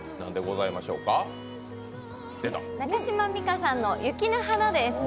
中島美嘉さんの「雪の華」です。